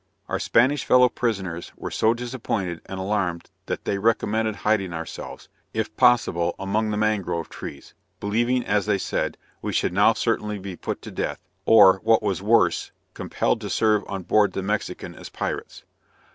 Our Spanish fellow prisoners were so disappointed and alarmed that they recommended hiding ourselves, if possible, among the mangrove trees, believing, as they said, we should now certainly be put to death; or, what was worse, compelled to serve on board the Mexican as pirates.